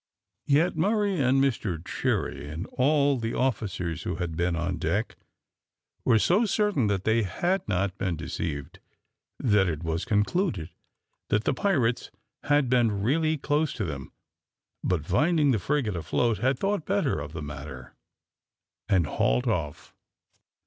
Yet Murray and Mr Cherry, and all the officers who had been on deck, were so certain that they had not been deceived, that it was concluded that the pirates had been really close to them, but finding the frigate afloat, had thought better of the matter and hauled off.